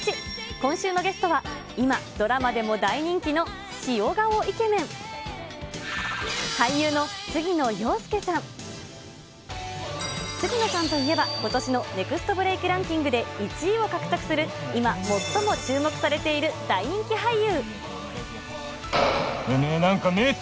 今週のゲストは、今、ドラマでも大人気の塩顔イケメン、俳優の杉野ようすけ杉野さんといえば、ことしのネクストブレイクランキングで、１位を獲得する今最も注目されている大人気俳優。